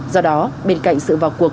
do đó bên cạnh sự vào cuộc